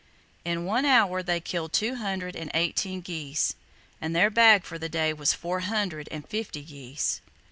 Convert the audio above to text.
In one hour they killed two hundred and eighteen geese, and their bag for the day was four hundred and fifty geese!